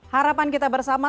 harapan kita bersama